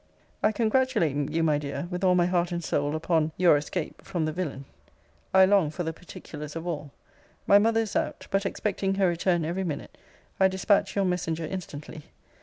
'I congratulate you, my dear, with all my heart and soul, upon [your escape] from the villain. [I long] for the particulars of all. [My mother] is out; but, expecting her return every minute, I dispatched [your] messenger instantly.